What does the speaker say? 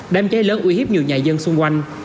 đám cháy lớn uy hiếp nhiều nhà dân xung quanh